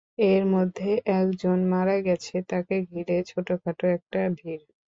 এর মধ্যে এক জন মারা গেছে, তাকে ঘিরে ছোটখাট একটা ভিড়।